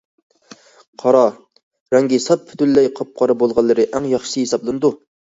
قارا رەڭگى ساپ پۈتۈنلەي قاپقارا بولغانلىرى ئەڭ ياخشىسى ھېسابلىنىدۇ.